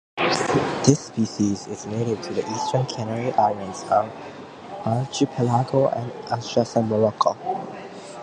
This species is native to the eastern Canary Islands archipelago and adjacent Morocco.